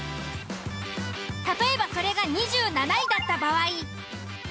例えばそれが２７位だった場合。